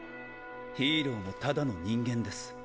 ヒーローもただの人間です。